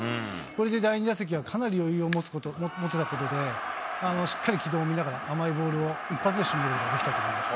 これで第２打席はかなり余裕を持てたことで、しっかり軌道を見ながら、甘いボールを一発でしとめることができたと思います。